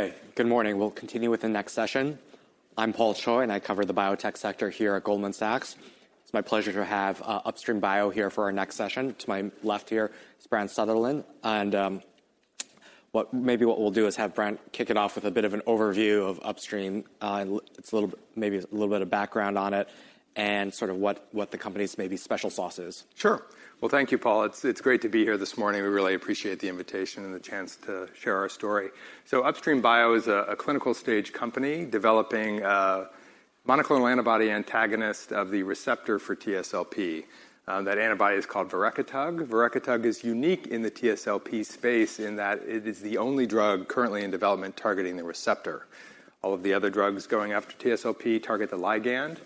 Okay, good morning. We'll continue with the next session. I'm Paul Choi, and I cover the biotech sector here at Goldman Sachs. It's my pleasure to have Upstream Bio here for our next session. To my left here, it's Brian Sutherland. Maybe what we'll do is have Brian kick it off with a bit of an overview of Upstream, maybe a little bit of background on it, and sort of what the company's maybe special sauce is. Sure. Thank you, Paul. It's great to be here this morning. We really appreciate the invitation and the chance to share our story. Upstream Bio is a clinical stage company developing a monoclonal antibody antagonist of the receptor for TSLP. That antibody is called Verekitug. Verekitug is unique in the TSLP space in that it is the only drug currently in development targeting the receptor. All of the other drugs going after TSLP target the ligand.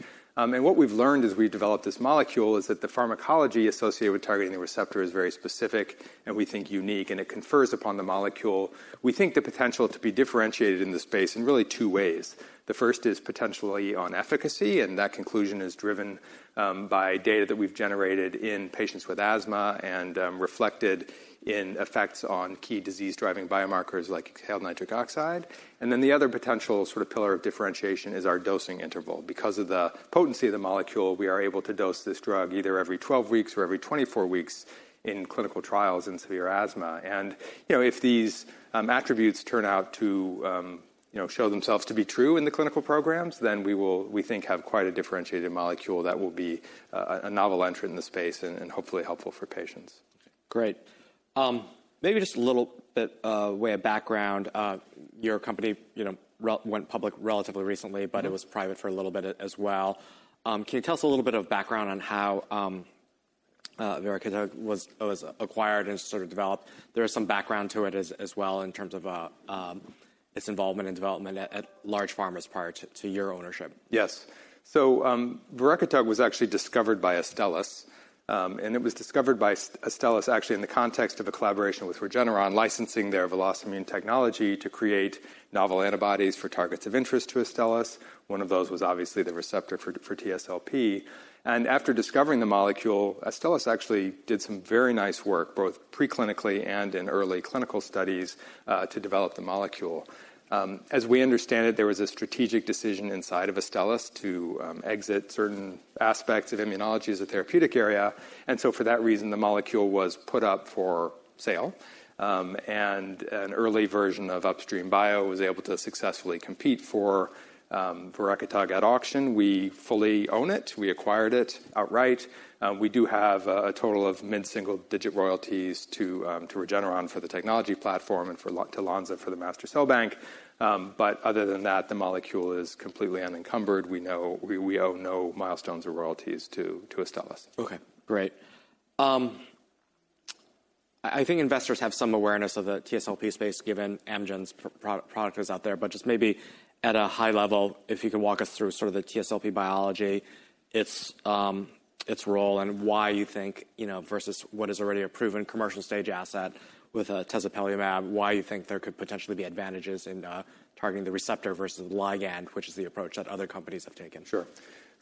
What we've learned as we develop this molecule is that the pharmacology associated with targeting the receptor is very specific and we think unique, and it confers upon the molecule. We think the potential to be differentiated in this space in really two ways. The first is potentially on efficacy, and that conclusion is driven by data that we've generated in patients with asthma and reflected in effects on key disease-driving biomarkers like Fe nitric Oxide. The other potential sort of pillar of differentiation is our dosing interval. Because of the potency of the molecule, we are able to dose this drug either every 12 weeks or every 24 weeks in clinical trials in severe asthma. If these attributes turn out to show themselves to be true in the clinical programs, then we think we have quite a differentiated molecule that will be a novel entrant in the space and hopefully helpful for patients. Great. Maybe just a little bit of background. Your company went public relatively recently, but it was private for a little bit as well. Can you tell us a little bit of background on how Verekitug was acquired and sort of developed? There is some background to it as well in terms of its involvement in development at large pharma as part of your ownership. Yes. Verekitug was actually discovered by Astellas. It was discovered by Astellas actually in the context of a collaboration with Regeneron licensing their VelocImmune technology to create novel antibodies for targets of interest to Astellas. One of those was obviously the receptor for TSLP. After discovering the molecule, Astellas actually did some very nice work both preclinically and in early clinical studies to develop the molecule. As we understand it, there was a strategic decision inside of Astellas to exit certain aspects of immunology as a therapeutic area. For that reason, the molecule was put up for sale. An early version of Upstream Bio was able to successfully compete for Verekitug at auction. We fully own it. We acquired it outright. We do have a total of mid-single-digit royalties to Regeneron for the technology platform and to Lonza for the master cell bank. Other than that, the molecule is completely unencumbered. We know we owe no milestones or royalties to Astellas. Okay, great. I think investors have some awareness of the TSLP space given Amgen's product is out there. Just maybe at a high level, if you could walk us through sort of the TSLP biology, its role and why you think versus what is already a proven commercial stage asset with tezepelumab, why you think there could potentially be advantages in targeting the receptor versus the ligand, which is the approach that other companies have taken. Sure.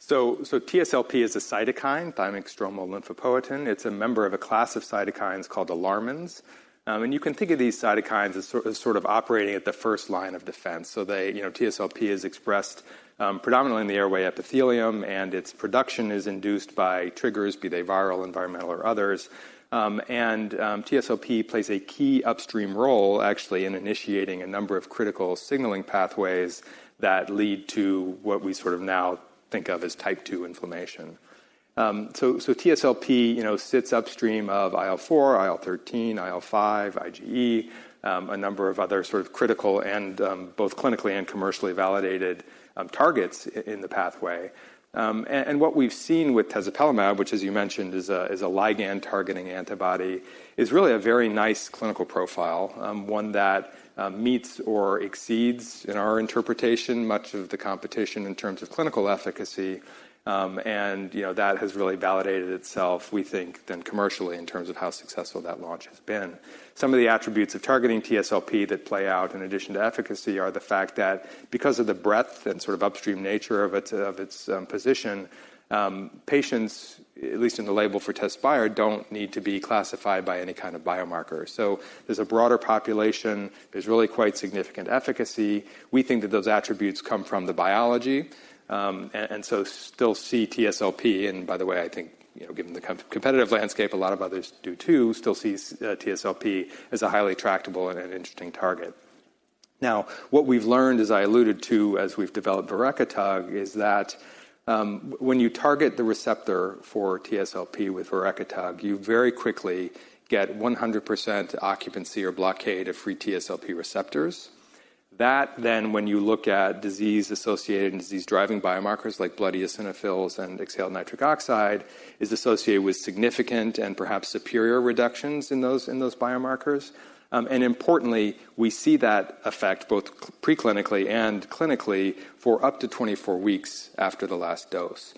TSLP is a cytokine, thymic stromal lymphopoietin. It's a member of a class of cytokines called alarmins. You can think of these cytokines as sort of operating at the first line of defense. TSLP is expressed predominantly in the airway epithelium, and its production is induced by triggers, be they viral, environmental, or others. TSLP plays a key upstream role actually in initiating a number of critical signaling pathways that lead to what we sort of now think of as type II inflammation. TSLP sits upstream of IL-4, IL-13, IL-5, IgE, a number of other sort of critical and both clinically and commercially validated targets in the pathway. What we've seen with tezepelumab, which, as you mentioned, is a ligand-targeting antibody, is really a very nice clinical profile, one that meets or exceeds, in our interpretation, much of the competition in terms of clinical efficacy. That has really validated itself, we think, then commercially in terms of how successful that launch has been. Some of the attributes of targeting TSLP that play out in addition to efficacy are the fact that because of the breadth and sort of upstream nature of its position, patients, at least in the label for Tezspire, do not need to be classified by any kind of biomarker. There is a broader population. There is really quite significant efficacy. We think that those attributes come from the biology. Still see TSLP, and by the way, I think given the competitive landscape, a lot of others do too, still see TSLP as a highly tractable and interesting target. Now, what we've learned, as I alluded to as we've developed verekitug, is that when you target the receptor for TSLP with verekitug, you very quickly get 100% occupancy or blockade of free TSLP receptors. That then, when you look at disease-associated and disease-driving biomarkers like blood eosinophils and exhaled nitric oxide, is associated with significant and perhaps superior reductions in those biomarkers. Importantly, we see that effect both preclinically and clinically for up to 24 weeks after the last dose.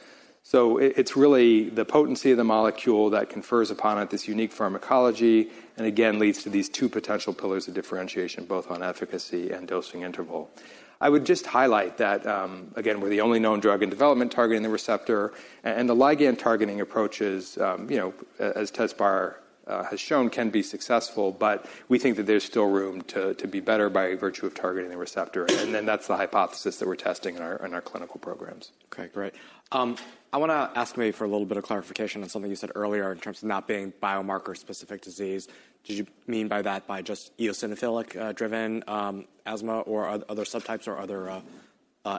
It's really the potency of the molecule that confers upon it this unique pharmacology and again leads to these two potential pillars of differentiation, both on efficacy and dosing interval. I would just highlight that, again, we're the only known drug in development targeting the receptor, and the ligand-targeting approaches, as Tezspire has shown, can be successful. We think that there's still room to be better by virtue of targeting the receptor. That is the hypothesis that we're testing in our clinical programs. Okay, great. I want to ask maybe for a little bit of clarification on something you said earlier in terms of not being biomarker-specific disease. Did you mean by that by just eosinophilic-driven asthma or other subtypes or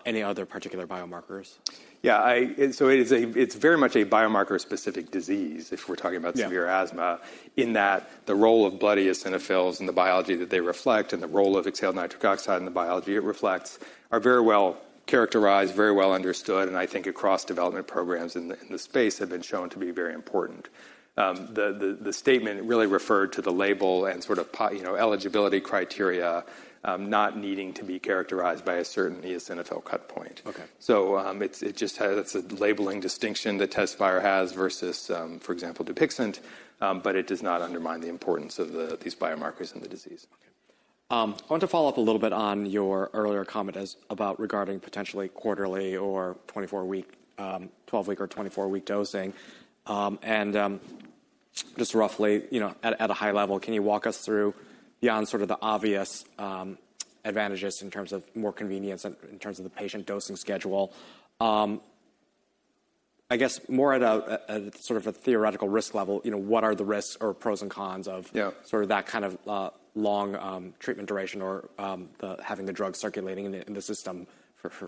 any other particular biomarkers? Yeah, so it's very much a biomarker-specific disease if we're talking about severe asthma in that the role of blood eosinophils and the biology that they reflect and the role of exhaled nitric oxide and the biology it reflects are very well characterized, very well understood, and I think across development programs in the space have been shown to be very important. The statement really referred to the label and sort of eligibility criteria not needing to be characterized by a certain eosinophil cut point. It is a labeling distinction that Tezspire has versus, for example, Dupixent, but it does not undermine the importance of these biomarkers in the disease. I want to follow up a little bit on your earlier comment regarding potentially quarterly or 12-week or 24-week dosing. Just roughly at a high level, can you walk us through beyond sort of the obvious advantages in terms of more convenience and in terms of the patient dosing schedule? I guess more at sort of a theoretical risk level, what are the risks or pros and cons of sort of that kind of long treatment duration or having the drug circulating in the system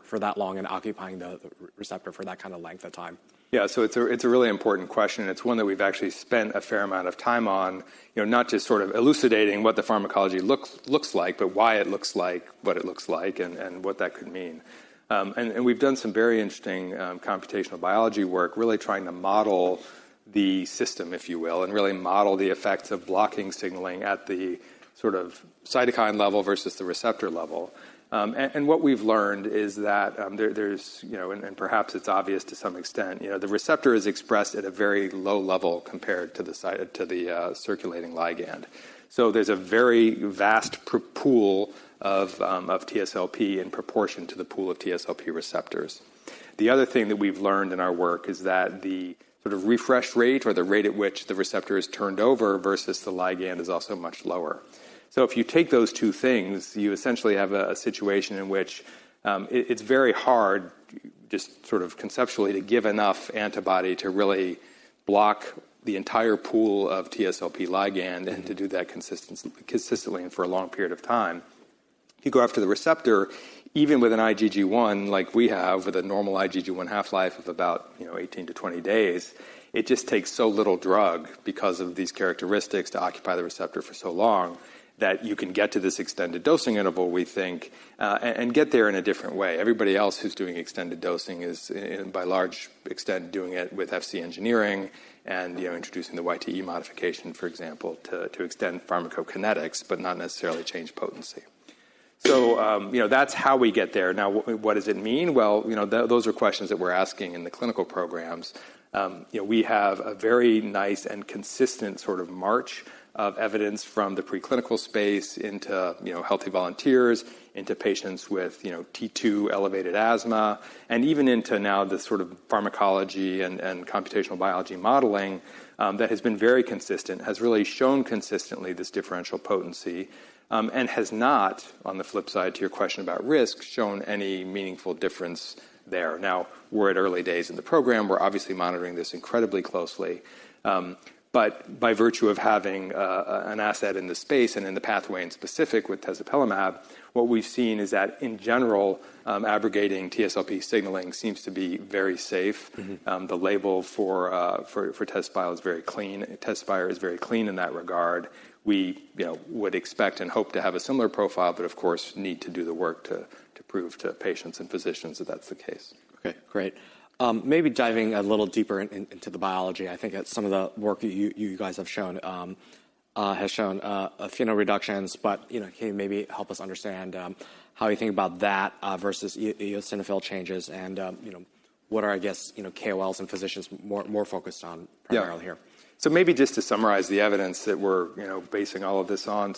for that long and occupying the receptor for that kind of length of time? Yeah, so it's a really important question. It's one that we've actually spent a fair amount of time on, not just sort of elucidating what the pharmacology looks like, but why it looks like what it looks like and what that could mean. We've done some very interesting computational biology work really trying to model the system, if you will, and really model the effects of blocking signaling at the sort of cytokine level versus the receptor level. What we've learned is that there's, and perhaps it's obvious to some extent, the receptor is expressed at a very low level compared to the circulating ligand. There is a very vast pool of TSLP in proportion to the pool of TSLP receptors. The other thing that we've learned in our work is that the sort of refresh rate or the rate at which the receptor is turned over versus the ligand is also much lower. If you take those two things, you essentially have a situation in which it's very hard just sort of conceptually to give enough antibody to really block the entire pool of TSLP ligand and to do that consistently and for a long period of time. If you go after the receptor, even with an IgG1 like we have with a normal IgG1 half-life of about 18 to 20 days, it just takes so little drug because of these characteristics to occupy the receptor for so long that you can get to this extended dosing interval, we think, and get there in a different way. Everybody else who's doing extended dosing is by large extent doing it with Fc engineering and introducing the YTE modification, for example, to extend pharmacokinetics, but not necessarily change potency. That's how we get there. Now, what does it mean? Those are questions that we're asking in the clinical programs. We have a very nice and consistent sort of march of evidence from the preclinical space into healthy volunteers, into patients with T2 elevated asthma, and even into now the sort of pharmacology and computational biology modeling that has been very consistent, has really shown consistently this differential potency and has not, on the flip side to your question about risk, shown any meaningful difference there. We're at early days in the program. We're obviously monitoring this incredibly closely. By virtue of having an asset in the space and in the pathway in specific with tezepelumab, what we've seen is that in general, aggregating TSLP signaling seems to be very safe. The label for Tezspire is very clean. Tezspire is very clean in that regard. We would expect and hope to have a similar profile, but of course need to do the work to prove to patients and physicians that that's the case. Okay, great. Maybe diving a little deeper into the biology, I think some of the work you guys have shown has shown a few reductions, but can you maybe help us understand how you think about that versus eosinophil changes and what are, I guess, KOLs and physicians more focused on primarily here? Maybe just to summarize the evidence that we're basing all of this on,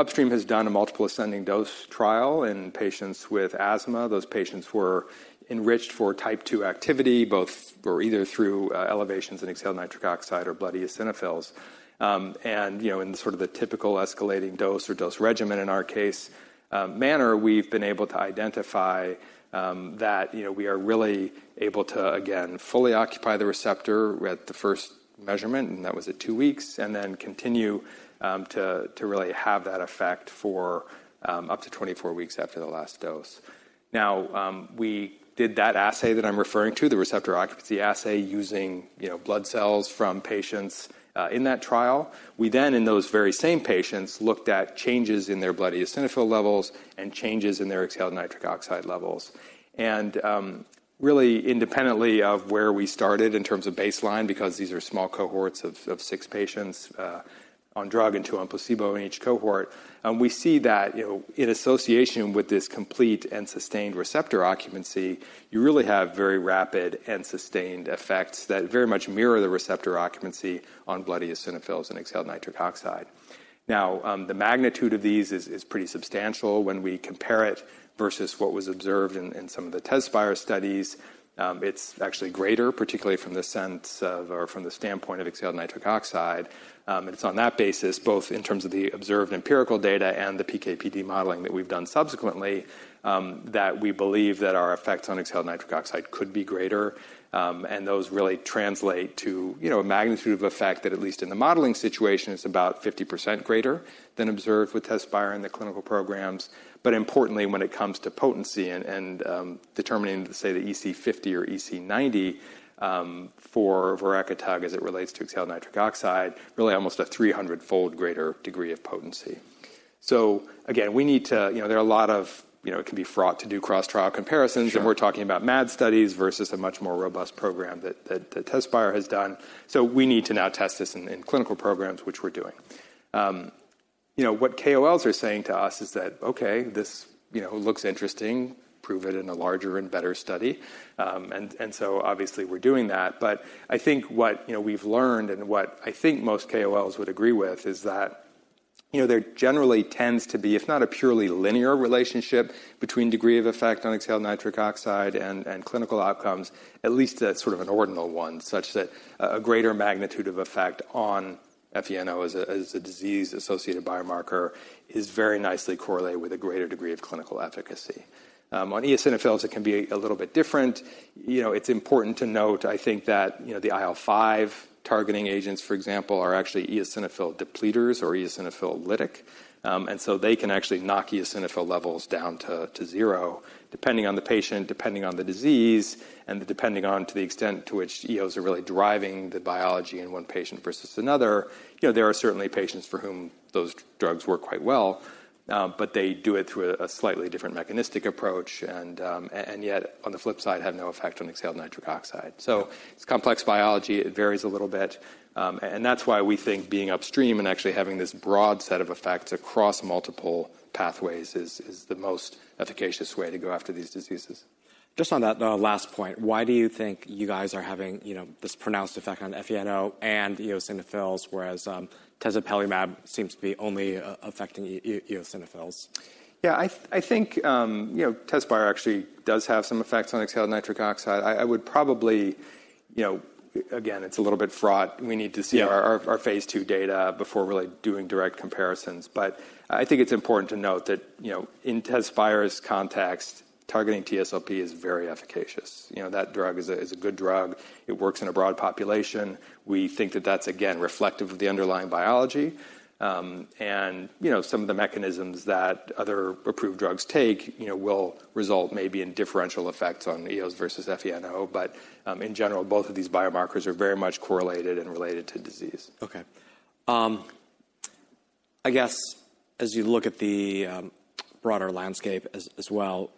Upstream has done a multiple ascending dose trial in patients with asthma. Those patients were enriched for type II activity both either through elevations in exhaled nitric oxide or blood eosinophils. In sort of the typical escalating dose or dose regimen, in our case manner, we've been able to identify that we are really able to, again, fully occupy the receptor at the first measurement, and that was at two weeks, and then continue to really have that effect for up to 24 weeks after the last dose. We did that assay that I'm referring to, the receptor occupancy assay, using blood cells from patients in that trial. We then, in those very same patients, looked at changes in their blood eosinophil levels and changes in their exhaled nitric oxide levels. Really independently of where we started in terms of baseline, because these are small cohorts of six patients on drug and two on placebo in each cohort, we see that in association with this complete and sustained receptor occupancy, you really have very rapid and sustained effects that very much mirror the receptor occupancy on blood eosinophils and exhaled nitric oxide. Now, the magnitude of these is pretty substantial when we compare it versus what was observed in some of the Tezspire studies. It's actually greater, particularly from the sense of or from the standpoint of exhaled nitric oxide. It's on that basis, both in terms of the observed empirical data and the PK/PD modeling that we've done subsequently, that we believe that our effects on exhaled nitric oxide could be greater. Those really translate to a magnitude of effect that, at least in the modeling situation, is about 50% greater than observed with Tezspire in the clinical programs. Importantly, when it comes to potency and determining, say, the EC50 or EC90 for verekitug as it relates to exhaled nitric oxide, really almost a 300-fold greater degree of potency. Again, we need to, there are a lot of, it can be fraught to do cross-trial comparisons, and we are talking about MAD studies versus a much more robust program that Tezspire has done. We need to now test this in clinical programs, which we are doing. What KOLs are saying to us is that, okay, this looks interesting, prove it in a larger and better study. Obviously, we are doing that. I think what we've learned and what I think most KOLs would agree with is that there generally tends to be, if not a purely linear relationship between degree of effect on exhaled nitric oxide and clinical outcomes, at least sort of an ordinal one, such that a greater magnitude of effect on FeNO as a disease-associated biomarker is very nicely correlated with a greater degree of clinical efficacy. On eosinophils, it can be a little bit different. It's important to note, I think, that the IL-5 targeting agents, for example, are actually eosinophil depleters or eosinophil lytic. They can actually knock eosinophil levels down to zero, depending on the patient, depending on the disease, and depending on the extent to which EOs are really driving the biology in one patient versus another. There are certainly patients for whom those drugs work quite well, but they do it through a slightly different mechanistic approach and yet on the flip side have no effect on exhaled nitric oxide. It is complex biology. It varies a little bit. That is why we think being Upstream and actually having this broad set of effects across multiple pathways is the most efficacious way to go after these diseases. Just on that last point, why do you think you guys are having this pronounced effect on FeNO and eosinophils, whereas tezepelumab seems to be only affecting eosinophils? Yeah, I think Tezspire actually does have some effects on exhaled nitric oxide. I would probably, again, it's a little bit fraught. We need to see our phase two data before really doing direct comparisons. I think it's important to note that in Tezspire's context, targeting TSLP is very efficacious. That drug is a good drug. It works in a broad population. We think that that's, again, reflective of the underlying biology. Some of the mechanisms that other approved drugs take will result maybe in differential effects on EOs versus FeNO, but in general, both of these biomarkers are very much correlated and related to disease. Okay. I guess as you look at the broader landscape as well,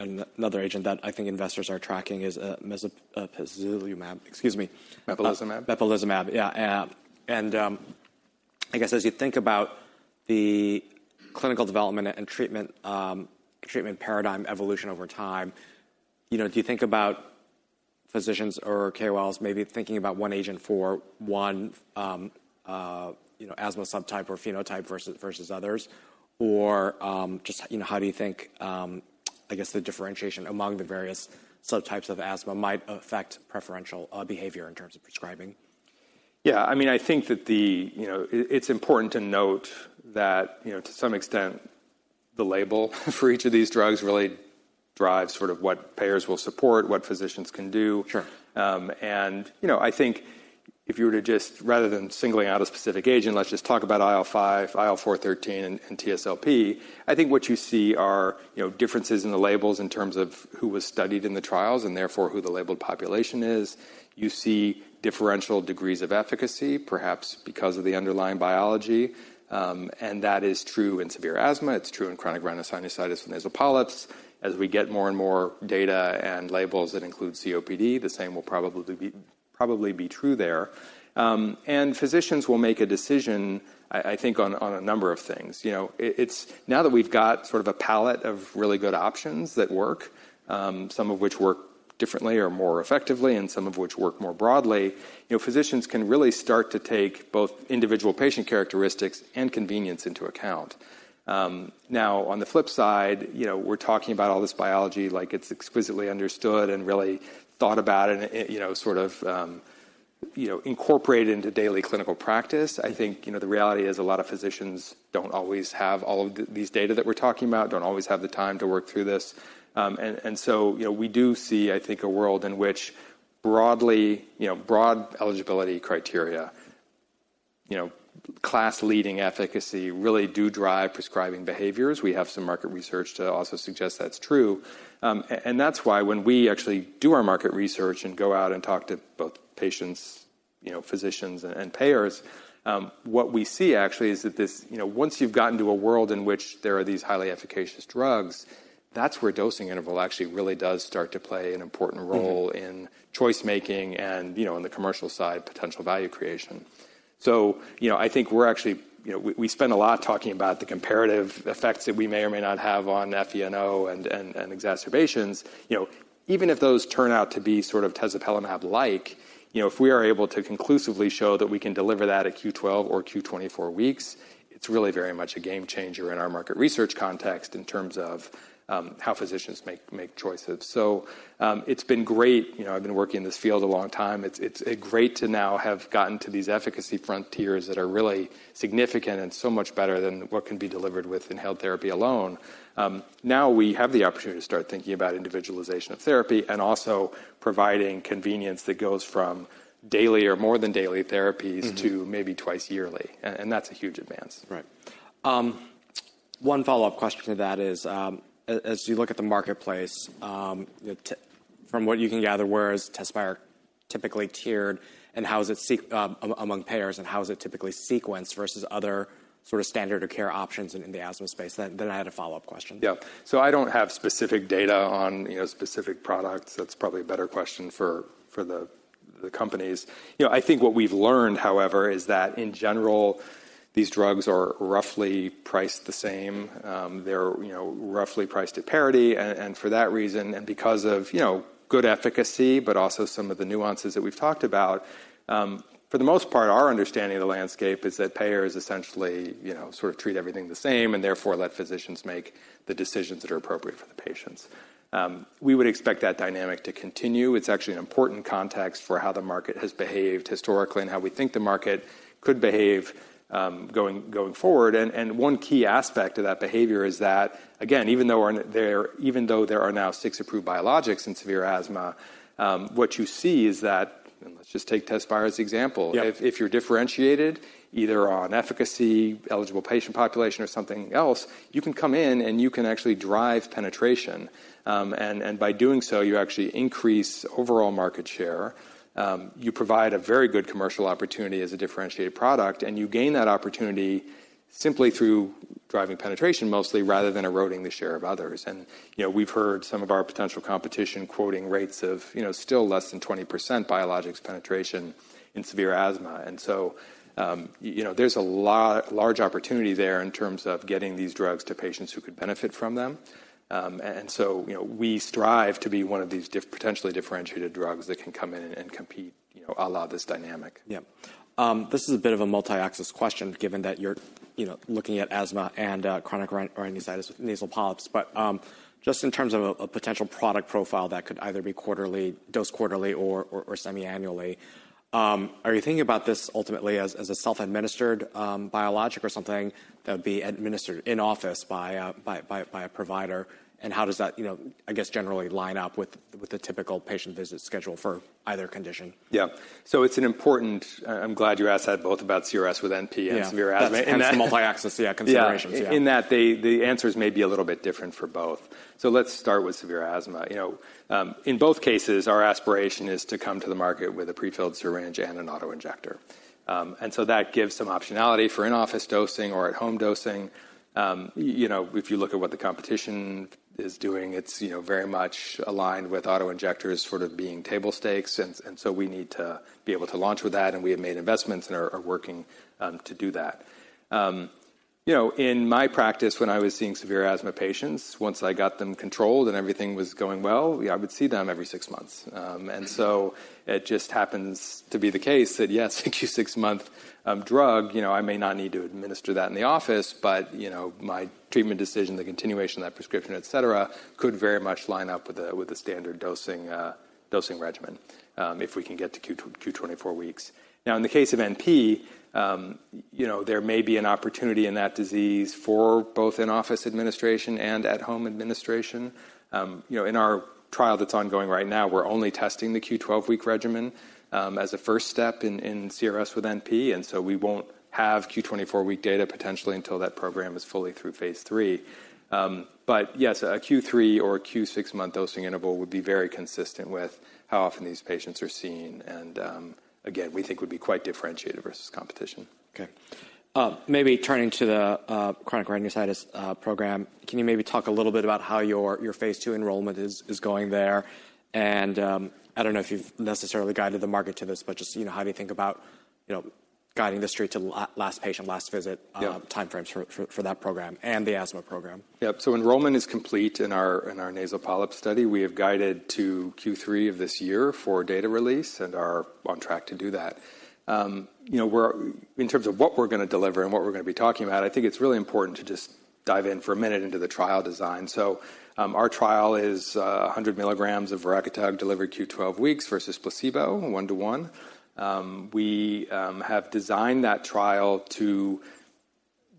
another agent that I think investors are tracking is mepolizumab, excuse me. Mepolizumab. Mepolizumab, yeah. I guess as you think about the clinical development and treatment paradigm evolution over time, do you think about physicians or KOLs maybe thinking about one agent for one asthma subtype or phenotype versus others? Just how do you think, I guess, the differentiation among the various subtypes of asthma might affect preferential behavior in terms of prescribing? Yeah, I mean, I think that it's important to note that to some extent, the label for each of these drugs really drives sort of what payers will support, what physicians can do. I think if you were to just, rather than singling out a specific agent, let's just talk about IL-5, IL-4, 13, and TSLP, I think what you see are differences in the labels in terms of who was studied in the trials and therefore who the labeled population is. You see differential degrees of efficacy, perhaps because of the underlying biology. That is true in severe asthma. It's true in chronic rhinosinusitis with nasal polyps. As we get more and more data and labels that include COPD, the same will probably be true there. Physicians will make a decision, I think, on a number of things. Now that we've got sort of a palette of really good options that work, some of which work differently or more effectively and some of which work more broadly, physicians can really start to take both individual patient characteristics and convenience into account. On the flip side, we're talking about all this biology like it's exquisitely understood and really thought about and sort of incorporated into daily clinical practice. I think the reality is a lot of physicians don't always have all of these data that we're talking about, don't always have the time to work through this. We do see, I think, a world in which broad eligibility criteria, class-leading efficacy really do drive prescribing behaviors. We have some market research to also suggest that's true. When we actually do our market research and go out and talk to both patients, physicians, and payers, what we see actually is that once you've gotten to a world in which there are these highly efficacious drugs, that's where dosing interval actually really does start to play an important role in choice-making and on the commercial side, potential value creation. I think we're actually, we spend a lot talking about the comparative effects that we may or may not have on FeNO and exacerbations. Even if those turn out to be sort of tezepelumab-like, if we are able to conclusively show that we can deliver that at Q12 or Q24 weeks, it's really very much a game changer in our market research context in terms of how physicians make choices. It's been great. I've been working in this field a long time. It's great to now have gotten to these efficacy frontiers that are really significant and so much better than what can be delivered with inhaled therapy alone. Now we have the opportunity to start thinking about individualization of therapy and also providing convenience that goes from daily or more than daily therapies to maybe twice yearly. That's a huge advance. Right. One follow-up question to that is, as you look at the marketplace, from what you can gather, where is Tezspire typically tiered and how is it among payers and how is it typically sequenced versus other sort of standard of care options in the asthma space? I had a follow-up question. Yeah. I do not have specific data on specific products. That is probably a better question for the companies. I think what we have learned, however, is that in general, these drugs are roughly priced the same. They are roughly priced at parity. For that reason and because of good efficacy, but also some of the nuances that we have talked about, for the most part, our understanding of the landscape is that payers essentially sort of treat everything the same and therefore let physicians make the decisions that are appropriate for the patients. We would expect that dynamic to continue. It is actually an important context for how the market has behaved historically and how we think the market could behave going forward. One key aspect of that behavior is that, again, even though there are now six approved biologics in severe asthma, what you see is that, and let's just take Tezspire as an example, if you're differentiated either on efficacy, eligible patient population, or something else, you can come in and you can actually drive penetration. By doing so, you actually increase overall market share. You provide a very good commercial opportunity as a differentiated product, and you gain that opportunity simply through driving penetration mostly rather than eroding the share of others. We've heard some of our potential competition quoting rates of still less than 20% biologics penetration in severe asthma. There is a large opportunity there in terms of getting these drugs to patients who could benefit from them. We strive to be one of these potentially differentiated drugs that can come in and compete a lot of this dynamic. Yeah. This is a bit of a multi-axis question given that you're looking at asthma and chronic rhinosinusitis with nasal polyps. Just in terms of a potential product profile that could either be dosed quarterly or semi-annually, are you thinking about this ultimately as a self-administered biologic or something that would be administered in office by a provider? How does that, I guess, generally line up with the typical patient visit schedule for either condition? Yeah. So it's an important, I'm glad you asked that both about CRS with NP and severe asthma. Yes. That's the multi-axis, yeah, considerations. Yeah. In that the answers may be a little bit different for both. Let's start with severe asthma. In both cases, our aspiration is to come to the market with a prefilled syringe and an auto injector. That gives some optionality for in-office dosing or at-home dosing. If you look at what the competition is doing, it's very much aligned with auto injectors sort of being table stakes. We need to be able to launch with that. We have made investments and are working to do that. In my practice, when I was seeing severe asthma patients, once I got them controlled and everything was going well, I would see them every six months. It just happens to be the case that, yes, a Q6 month drug, I may not need to administer that in the office, but my treatment decision, the continuation of that prescription, et cetera, could very much line up with a standard dosing regimen if we can get to Q24 weeks. Now, in the case of NP, there may be an opportunity in that disease for both in-office administration and at-home administration. In our trial that's ongoing right now, we're only testing the Q12 week regimen as a first step in CRS with NP. We won't have Q24 week data potentially until that program is fully through phase three. Yes, a Q3 or Q6 month dosing interval would be very consistent with how often these patients are seen. Again, we think would be quite differentiated versus competition. Okay. Maybe turning to the chronic rhinosinusitis program, can you maybe talk a little bit about how your phase two enrollment is going there? I do not know if you've necessarily guided the market to this, but just how do you think about guiding the street to last patient, last visit timeframes for that program and the asthma program? Yep. Enrollment is complete in our nasal polyp study. We have guided to Q3 of this year for data release and are on track to do that. In terms of what we're going to deliver and what we're going to be talking about, I think it's really important to just dive in for a minute into the trial design. Our trial is 100 mg of Verekitug delivered Q12 weeks versus placebo, one to one. We have designed that trial to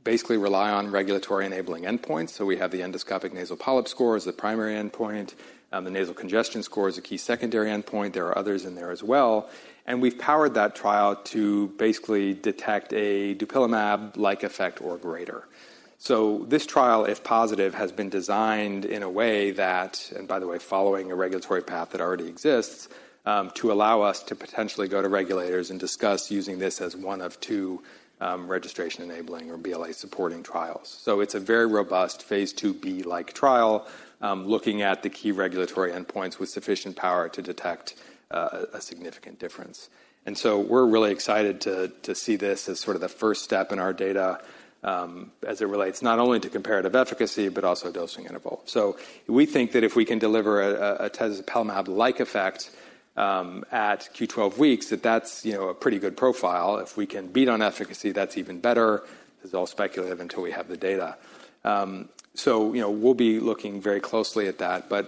basically rely on regulatory enabling endpoints. We have the endoscopic nasal polyp score as the primary endpoint. The nasal congestion score is a key secondary endpoint. There are others in there as well. We have powered that trial to basically detect a dupilumab-like effect or greater. This trial, if positive, has been designed in a way that, and by the way, following a regulatory path that already exists, to allow us to potentially go to regulators and discuss using this as one of two registration enabling or BLA supporting trials. It is a very robust phase II-B-like trial, looking at the key regulatory endpoints with sufficient power to detect a significant difference. We are really excited to see this as sort of the first step in our data as it relates not only to comparative efficacy, but also dosing interval. We think that if we can deliver a tezepelumab-like effect at Q12 weeks, that is a pretty good profile. If we can beat on efficacy, that is even better. This is all speculative until we have the data. We will be looking very closely at that. The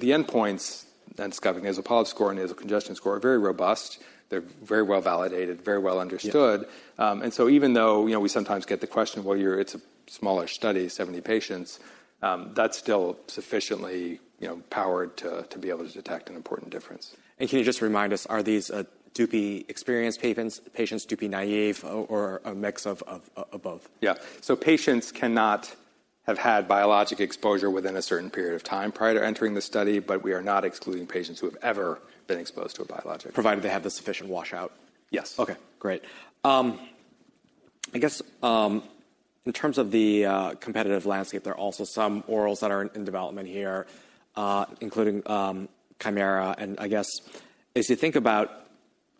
endpoints, endoscopic nasal polyp score and nasal congestion score are very robust. They're very well validated, very well understood. Even though we sometimes get the question, well, it's a smaller study, 70 patients, that's still sufficiently powered to be able to detect an important difference. Can you just remind us, are these dupi experienced patients, dupi naive, or a mix of both? Yeah. Patients cannot have had biologic exposure within a certain period of time prior to entering the study, but we are not excluding patients who have ever been exposed to a biologic. Provided they have the sufficient washout. Yes. Okay. Great. I guess in terms of the competitive landscape, there are also some orals that are in development here, including Chimera. I guess as you think about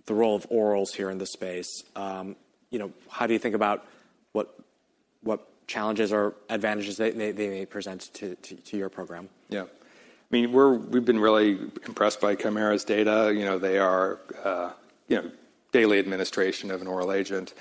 the role of orals here in the space, how do you think about what challenges or advantages they may present to your program? Yeah. I mean, we've been really impressed by Chimera's data. They are daily administration of an oral agent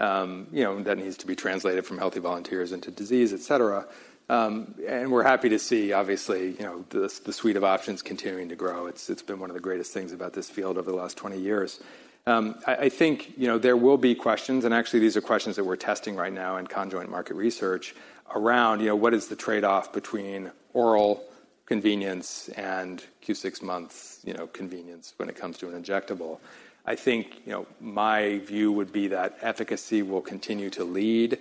that needs to be translated from healthy volunteers into disease, et cetera. We're happy to see, obviously, the suite of options continuing to grow. It's been one of the greatest things about this field over the last 20 years. I think there will be questions, and actually these are questions that we're testing right now in conjoint market research around what is the trade-off between oral convenience and Q6 month convenience when it comes to an injectable. I think my view would be that efficacy will continue to lead.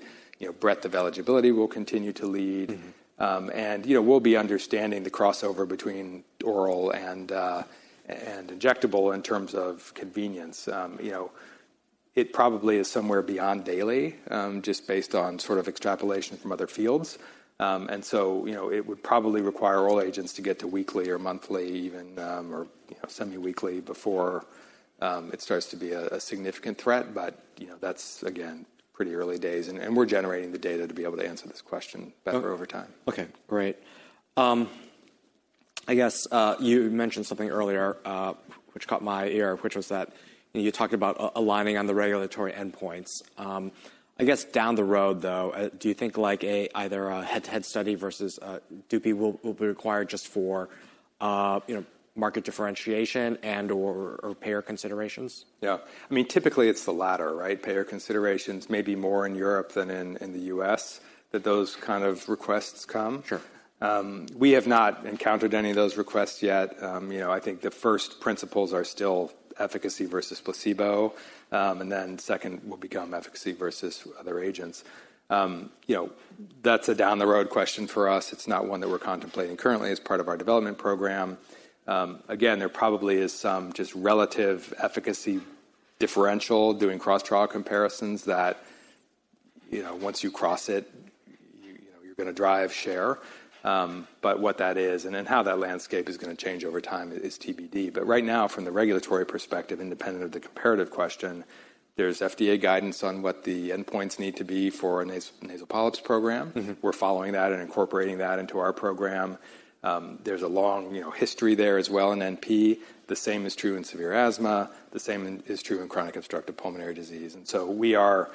Breadth of eligibility will continue to lead. We'll be understanding the crossover between oral and injectable in terms of convenience. It probably is somewhere beyond daily, just based on sort of extrapolation from other fields. It would probably require oral agents to get to weekly or monthly, even or semi-weekly before it starts to be a significant threat. That is, again, pretty early days. We are generating the data to be able to answer this question better over time. Okay. Great. I guess you mentioned something earlier, which caught my ear, which was that you talked about aligning on the regulatory endpoints. I guess down the road, though, do you think either a head-to-head study versus dupi will be required just for market differentiation and/or payer considerations? Yeah. I mean, typically it's the latter, right? Payer considerations, maybe more in Europe than in the U.S., that those kind of requests come. Sure. We have not encountered any of those requests yet. I think the first principles are still efficacy versus placebo. The second will become efficacy versus other agents. That is a down-the-road question for us. It is not one that we are contemplating currently as part of our development program. Again, there probably is some just relative efficacy differential doing cross-trial comparisons that once you cross it, you are going to drive share. What that is and how that landscape is going to change over time is TBD. Right now, from the regulatory perspective, independent of the comparative question, there is FDA guidance on what the endpoints need to be for a nasal polyps program. We are following that and incorporating that into our program. There is a long history there as well in NP. The same is true in severe asthma. The same is true in chronic obstructive pulmonary disease. We are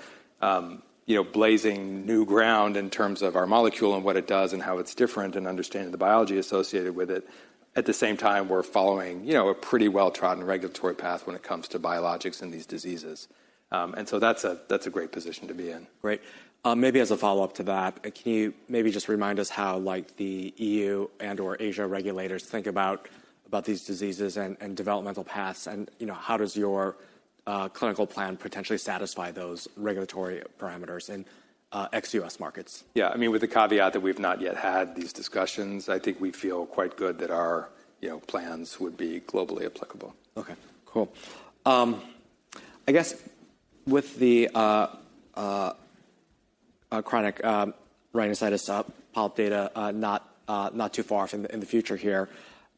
blazing new ground in terms of our molecule and what it does and how it's different and understanding the biology associated with it. At the same time, we're following a pretty well-trodden regulatory path when it comes to biologics in these diseases. That's a great position to be in. Great. Maybe as a follow-up to that, can you maybe just remind us how the EU and/or Asia regulators think about these diseases and developmental paths? How does your clinical plan potentially satisfy those regulatory parameters in ex-U.S. markets? Yeah. I mean, with the caveat that we've not yet had these discussions, I think we feel quite good that our plans would be globally applicable. Okay. Cool. I guess with the chronic rhinosinusitis polyp data not too far off in the future here,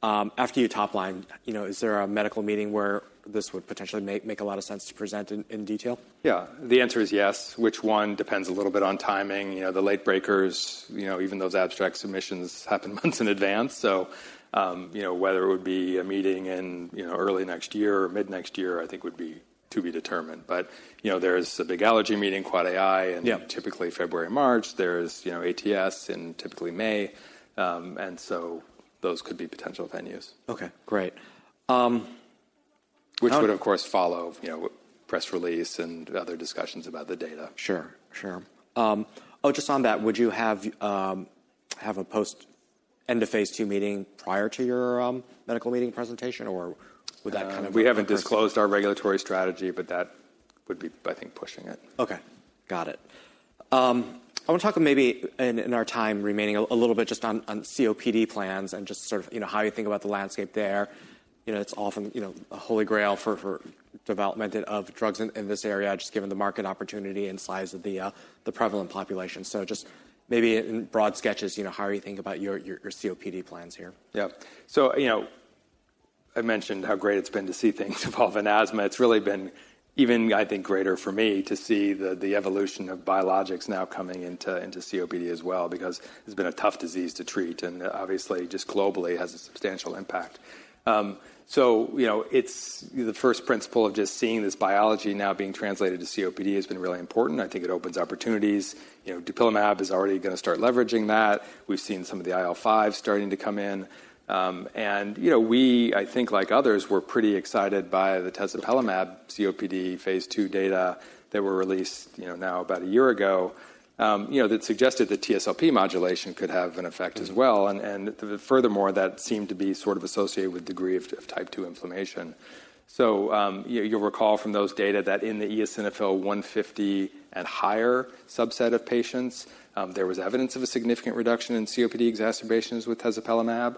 after you topline, is there a medical meeting where this would potentially make a lot of sense to present in detail? Yeah. The answer is yes. Which one depends a little bit on timing. The late breakers, even those abstract submissions happen months in advance. Whether it would be a meeting in early next year or mid-next year, I think would be to be determined. There is a big allergy meeting, QuAD AI, in typically February, March. There is ATS in typically May. Those could be potential venues. Okay. Great. Which would, of course, follow press release and other discussions about the data. Sure. Oh, just on that, would you have a post-end of phase two meeting prior to your medical meeting presentation, or would that kind of? We haven't disclosed our regulatory strategy, but that would be, I think, pushing it. Okay. Got it. I want to talk maybe in our time remaining a little bit just on COPD plans and just sort of how you think about the landscape there. It's often a holy grail for development of drugs in this area, just given the market opportunity and size of the prevalent population. Just maybe in broad sketches, how are you thinking about your COPD plans here? Yeah. I mentioned how great it's been to see things evolve in asthma. It's really been even, I think, greater for me to see the evolution of biologics now coming into COPD as well, because it's been a tough disease to treat and obviously just globally has a substantial impact. The first principle of just seeing this biology now being translated to COPD has been really important. I think it opens opportunities. Dupilumab is already going to start leveraging that. We've seen some of the IL-5 starting to come in. We, I think like others, were pretty excited by the tezepelumab COPD phase two data that were released now about a year ago that suggested that TSLP modulation could have an effect as well. Furthermore, that seemed to be sort of associated with degree of type II inflammation. You'll recall from those data that in the eosinophil 150 and higher subset of patients, there was evidence of a significant reduction in COPD exacerbations with Tezspire.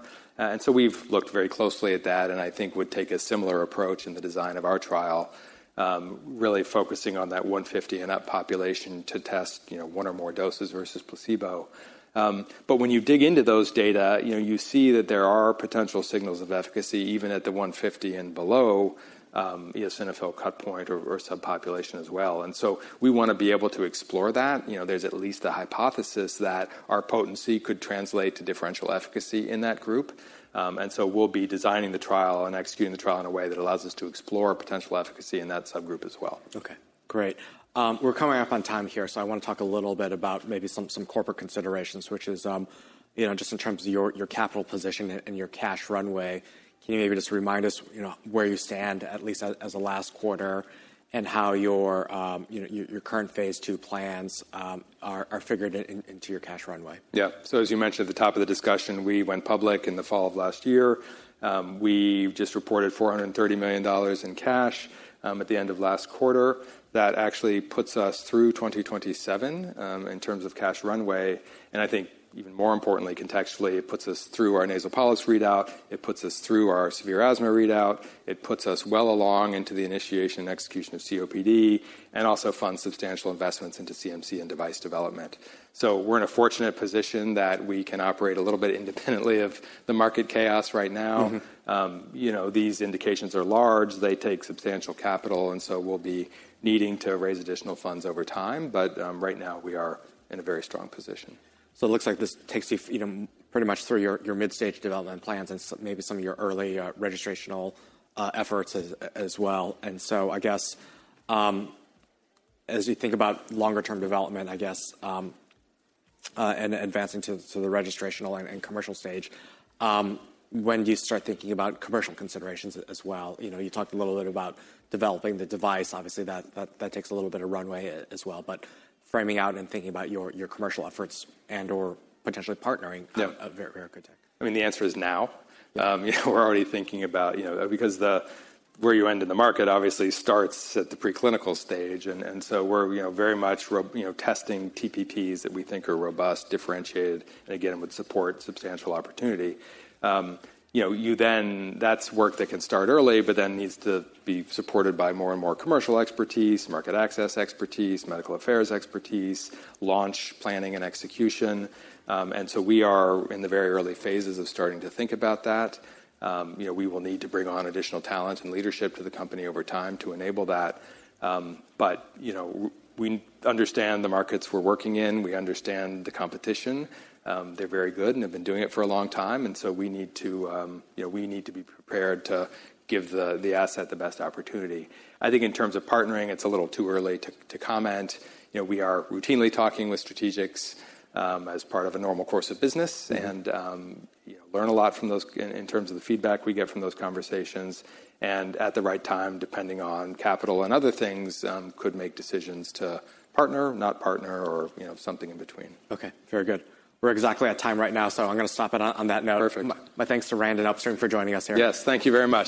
We have looked very closely at that and I think would take a similar approach in the design of our trial, really focusing on that 150 and up population to test one or more doses versus placebo. When you dig into those data, you see that there are potential signals of efficacy even at the 150 and below eosinophil cut point or subpopulation as well. We want to be able to explore that. There is at least a hypothesis that our potency could translate to differential efficacy in that group. We will be designing the trial and executing the trial in a way that allows us to explore potential efficacy in that subgroup as well. Okay. Great. We're coming up on time here, so I want to talk a little bit about maybe some corporate considerations, which is just in terms of your capital position and your cash runway. Can you maybe just remind us where you stand, at least as of last quarter, and how your current phase two plans are figured into your cash runway? Yeah. As you mentioned at the top of the discussion, we went public in the fall of last year. We just reported $430 million in cash at the end of last quarter. That actually puts us through 2027 in terms of cash runway. I think even more importantly, contextually, it puts us through our nasal polyps readout. It puts us through our severe asthma readout. It puts us well along into the initiation and execution of COPD and also funds substantial investments into CMC and device development. We are in a fortunate position that we can operate a little bit independently of the market chaos right now. These indications are large. They take substantial capital. We will be needing to raise additional funds over time. Right now, we are in a very strong position. It looks like this takes you pretty much through your mid-stage development plans and maybe some of your early registrational efforts as well. I guess as you think about longer-term development, I guess, and advancing to the registrational and commercial stage, when do you start thinking about commercial considerations as well? You talked a little bit about developing the device. Obviously, that takes a little bit of runway as well. Framing out and thinking about your commercial efforts and/or potentially partnering at Verekitug. I mean, the answer is now. We're already thinking about because where you end in the market obviously starts at the preclinical stage. We're very much testing TPPs that we think are robust, differentiated, and again, would support substantial opportunity. That's work that can start early, but then needs to be supported by more and more commercial expertise, market access expertise, medical affairs expertise, launch planning and execution. We are in the very early phases of starting to think about that. We will need to bring on additional talent and leadership to the company over time to enable that. We understand the markets we're working in. We understand the competition. They're very good and have been doing it for a long time. We need to be prepared to give the asset the best opportunity. I think in terms of partnering, it's a little too early to comment. We are routinely talking with strategics as part of a normal course of business and learn a lot from those in terms of the feedback we get from those conversations. At the right time, depending on capital and other things, could make decisions to partner, not partner, or something in between. Okay. Very good. We're exactly at time right now, so I'm going to stop it on that note. Perfect. My thanks to Rand and Upstream for joining us here. Yes. Thank you very much.